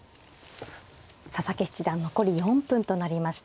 佐々木七段残り４分となりました。